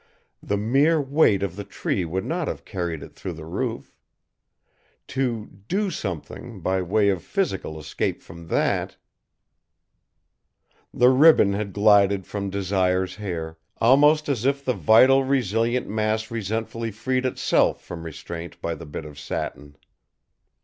The mere weight of the tree would not have carried it through the roof. To "do something" by way of physical escape from that The ribbon had glided from Desire's hair, almost as if the vital, resilient mass resentfully freed itself from restraint by the bit of satin.